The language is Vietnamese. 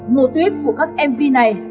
một tuyết của các mv này